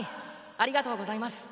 ありがとうございます。